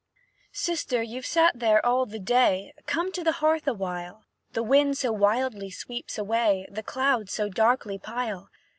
"Sister, you've sat there all the day, Come to the hearth awhile; The wind so wildly sweeps away, The clouds so darkly pile.